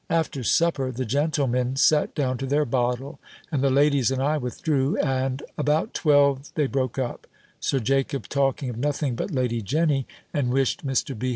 After supper, the gentlemen sat down to their bottle, and the ladies and I withdrew, and about twelve they broke up; Sir Jacob talking of nothing but Lady Jenny, and wished Mr. B.